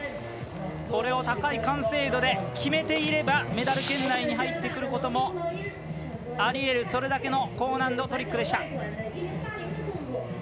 これを高い完成度で決めていればメダル圏内に入ってくることもあり得るそれだけの高難度トリックでした。